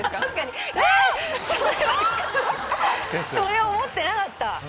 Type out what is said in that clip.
それは思ってなかった！